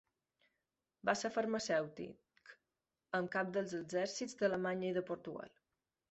Va ser farmacèutic en cap dels exèrcits d'Alemanya i de Portugal.